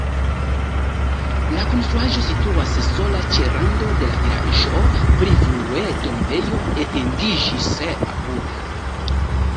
La konstruaĵo situas sola ĉe rando de la vilaĝo, pli frue tombejo etendiĝis apude.